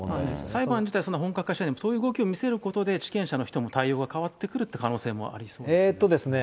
裁判自体は本格化して、そういう動きを見せることで、地権者の人も対応が変わってくるという可能性はありそうですか。